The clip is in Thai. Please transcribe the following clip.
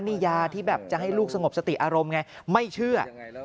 นี่ยาที่แบบจะให้ลูกสงบสติอารมณ์ไงไม่เชื่อ